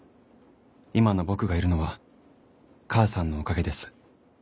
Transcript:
今の僕がいるのは母さんのおかげです。